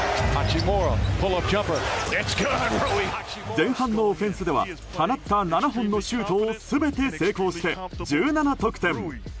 前半のオフェンスでは放った７本のシュートを全て成功して１７得点。